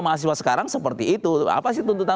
mahasiswa sekarang seperti itu apa sih tuntutan